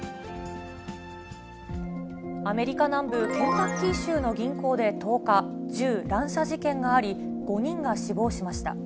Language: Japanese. アメリカ南部ケンタッキー州の銀行で１０日、銃乱射事件があり、５人が死亡しました。